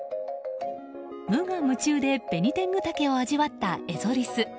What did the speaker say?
無我夢中でベニテングタケを味わったエゾリス。